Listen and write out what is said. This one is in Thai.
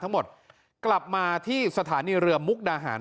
ทั้งหมดกลับมาที่สถานีเรือมุ่งดาหาญ